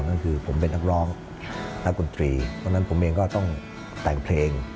นั่นคือผมเป็นนักร้องนักกลุ่นตรีดังนั้นผมเองก็ต้องแต่งเพลง